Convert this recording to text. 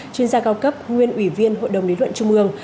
chuyên gia cao cấp nguyên ủy viên hội đồng lý luận trung ương